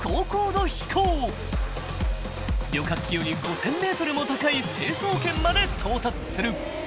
［旅客機より５，０００ｍも高い成層圏まで到達する］